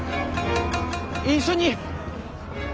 一緒に。